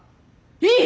いい！？